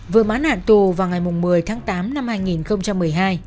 vừa mãn hạn tù vào ngày một mươi tháng tám năm hai nghìn một mươi hai